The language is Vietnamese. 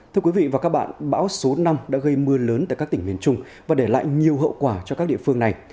thưa quý vị và các bạn bão số năm đã gây mưa lớn tại các tỉnh miền trung và để lại nhiều hậu quả cho các địa phương này